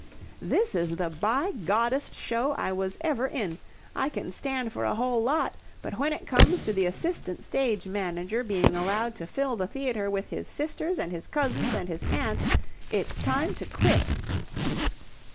"This is the by Goddest show I was ever in! I can stand for a whole lot, but when it comes to the assistant stage manager being allowed to fill the theatre with his sisters and his cousins and his aunts it's time to quit."